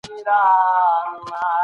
د بریښنا ستونزه حل کیده.